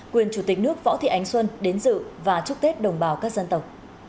quyền chủ tịch nước võ thị ánh xuân đến dự và chúc tết đồng bào các dân tộc